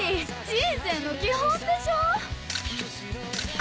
人生の基本でしょう